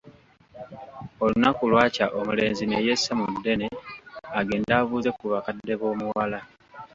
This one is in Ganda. Olunaku lwakya omulenzi ne yessa mu ddene agende abuuze ku bakadde b'omuwala.